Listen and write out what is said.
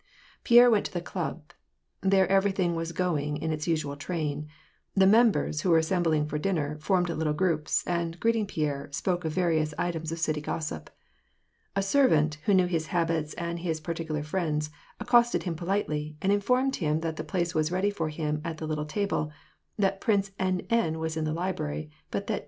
Pierre went to the club. There everything was going in its usual train : the members, who were assembling for dinner, formed little groups, and, greeting Pierre, spoke of various items of city gossip. A servant, who knew his habits and his particular friends, accosted him politely, and informed hira that a place was ready for him at the little table, that Prince N. N. was in the library, but that T.